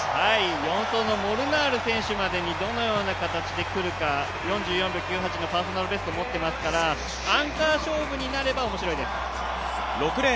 ４走のモルナール選手までにどのような形で来るか４４秒９８のパーソナルベスト持ってますからアンカー勝負になれば面白いです。